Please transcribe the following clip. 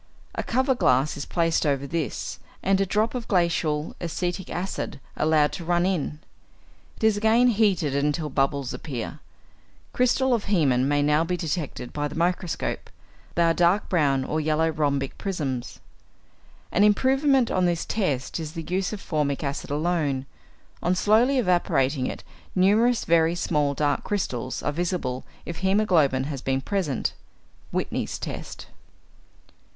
A cover glass is placed over this, and a drop of glacial acetic acid allowed to run in. It is again heated until bubbles appear. Crystals of hæmin may now be detected by the microscope. They are dark brown or yellow rhombic prisms. An improvement on this test is the use of formic acid alone; on slowly evaporating it, numerous very small dark crystals are visible if hæmoglobin has been present (Whitney's test).